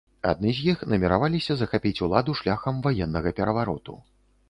Адны з іх намерваліся захапіць уладу шляхам ваеннага перавароту.